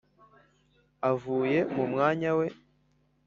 avuye mu mwanya we